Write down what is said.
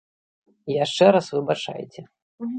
І яшчэ раз выбачайце.